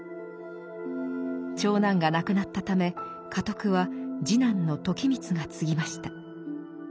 長男が亡くなったため家督は次男の時光が継ぎました。